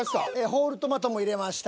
ホールトマトも入れました。